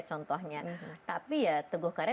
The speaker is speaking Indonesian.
contohnya tapi ya teguh karya